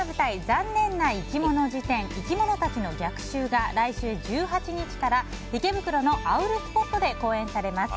「ざんねんないきもの事典いきものたちの逆襲」が来週１８日から池袋のあうるすぽっとで公演されます。